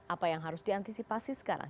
apa yang harus diantisipasi sekarang